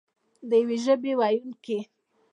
د یوې ژبې ویونکي.